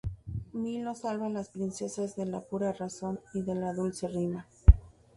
Milo salva a las princesas de la pura razón y de la dulce rima.